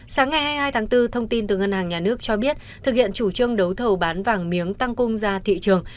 sáng ngày hai mươi hai tháng bốn thông tin từ ngân hàng nhà nước cho biết thực hiện chủ trương đấu thầu bán vàng miếng tăng cung ra thị trường